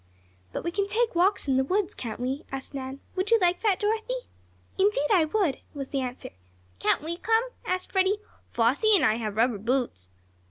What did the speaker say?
"But we can take walks in the woods; can't we?" asked Nan. "Would you like that, Dorothy?" "Indeed I would," was the answer. "Can't we come?" asked Freddie. "Flossie and I have rubber boots."